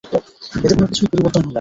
এতে কোন কিছুরই পরিবর্তন হবে না।